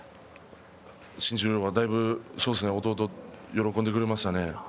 新十両弟はだいぶ喜んでくれましたね。